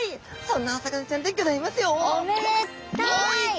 そんなお魚ちゃんでギョざいますよ！